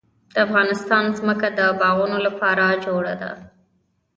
د افغانستان ځمکه د باغونو لپاره جوړه ده.